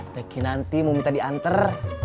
tehkinanti mau minta diantar